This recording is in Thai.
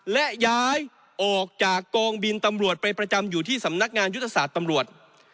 และย้ายออกจากกองบินตำรวจไปประจำอยู่ที่สำนักงานยุทธศาสตร์ตำรวจ